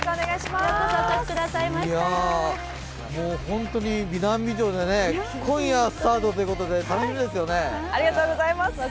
本当に、美男美女でね今夜スタートということで、楽しみですよね。